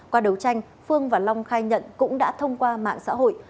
qua đấu tranh phương và long khai nhận cũng đã thông qua mạng xã hội